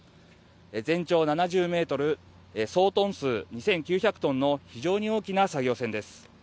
全長７０ｍ、総トン数２９００ｔの非常に大きな作業船です。